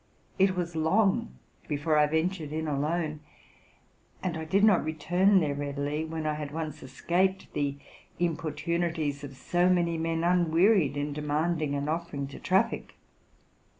It was long before I ventured in alone; and I did not return there readily , when I had once escaped the importu nities of so many men unwearied in demanding and offering to traffic.